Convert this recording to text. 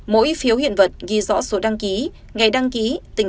mỗi phiếu hiện vật ghi rõ số đăng ký